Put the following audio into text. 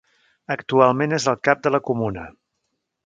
Actualment és el cap de la comuna.